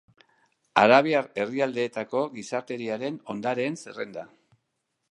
Arabiar Herrialdeetako Gizateriaren Ondareen zerrenda.